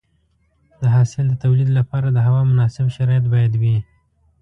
د حاصل د تولید لپاره د هوا مناسب شرایط باید وي.